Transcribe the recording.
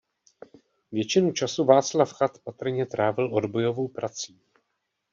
Většinu času Václav Chad patrně trávil odbojovou prací.